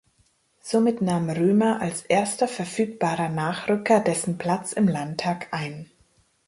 Somit nahm Römer als erster verfügbarer Nachrücker dessen Platz im Landtag ein.